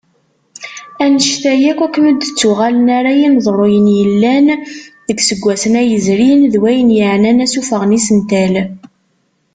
Annect-a yakk, akken ur d-ttuɣalen ara yineḍruyen yellan deg yiseggasen-a yezrin, d wayen yeɛnan asuffeɣ n yisental.